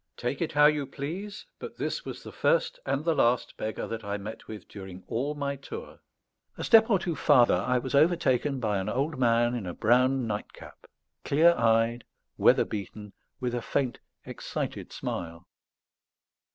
Take it how you please, but this was the first and the last beggar that I met with during all my tour. A step or two farther I was overtaken by an old man in a brown nightcap, clear eyed, weather beaten, with a faint excited smile.